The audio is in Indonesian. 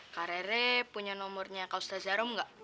kak rere punya nomornya kaustazarum gak